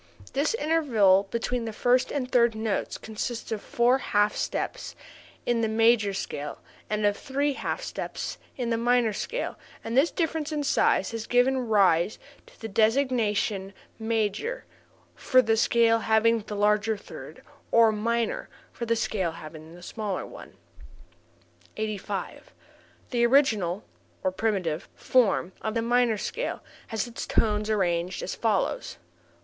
This interval between the first and third tones consists of four half steps in the major scale and of three half steps in the minor scale and this difference in size has given rise to the designation major for the scale having the larger third, and minor for the scale having the smaller one. 85. The original (or primitive) form of the minor scale has its tones arranged as follows.